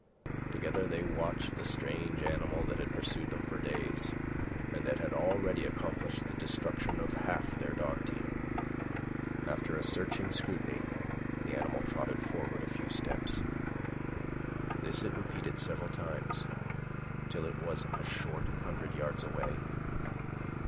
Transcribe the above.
Together they watched the strange animal that had pursued them for days and that had already accomplished the destruction of half their dog team. After a searching scrutiny, the animal trotted forward a few steps. This it repeated several times, till it was a short hundred yards away.